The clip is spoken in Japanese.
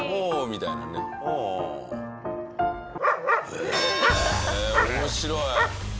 へえ面白い！